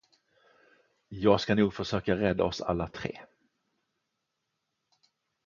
Jag ska nog försöka rädda oss alla tre.